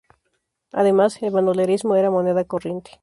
Además el bandolerismo era moneda corriente.